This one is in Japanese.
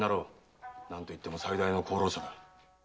何といっても最大の功労者だ。